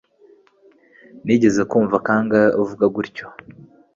Nigeze kumva kangahe uvuga utyo